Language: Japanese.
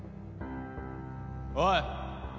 おい！